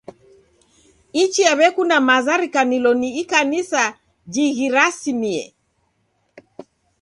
Ichia w'ekunda maza rikanilo ni Ikanisa jighirasimie.